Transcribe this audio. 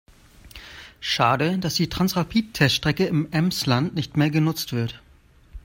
Schade, dass die Transrapid-Teststrecke im Emsland nicht mehr genutzt wird.